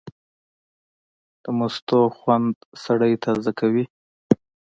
د مستو خوند سړی تازه کوي.